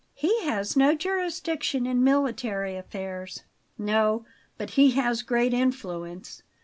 "He has no jurisdiction in military affairs." "No, but he has great influence.